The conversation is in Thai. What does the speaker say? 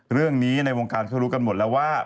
เรื่องนี้ในวงการเขารู้กันหมดแล้วว่า